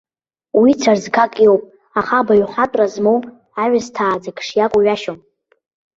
Уи цәарӡгак иоуп, аха абаҩхатәра змоу аҩысҭааӡак шиакәу ҩашьом.